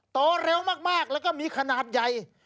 โตเร็วมากแล้วก็มีขนาดใหญ่